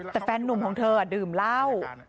แต่แฟนนุ่มของเธอดื่มเหล้า